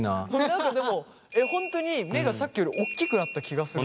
何かでも本当に目がさっきよりおっきくなった気がする。